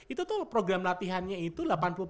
itu tuh program latihannya itu delapan puluh nya easy run